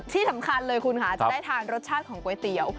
ที่สำคัญเลยคุณค่ะจะได้ทานรสชาติของก๋วยเตี๋ยว